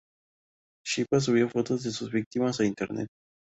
Shiba subía fotos de sus víctimas a Internet.